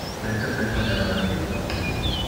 Peter deponeva le libro.